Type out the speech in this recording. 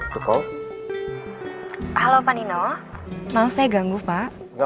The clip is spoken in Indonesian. berapa ini harganya